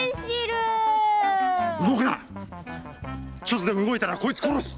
ちょっとでも動いたらこいつ殺す！